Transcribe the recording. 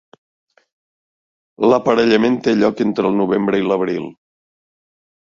L'aparellament té lloc entre el novembre i l'abril.